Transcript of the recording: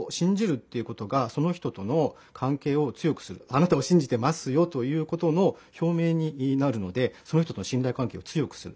「あなたを信じてますよ」ということのひょう明になるのでその人との信らい関係を強くする。